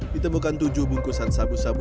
ditemukan tujuh bungkusan sabu sabu